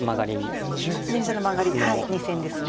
左下のマガリ２線ですね。